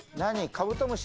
カブトムシ？